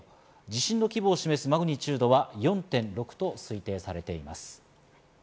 地震の規模を示すマグニチュードは４．６と推定されています。